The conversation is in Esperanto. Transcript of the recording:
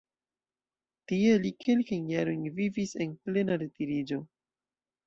Tie li kelkajn jarojn vivis en plena retiriĝo.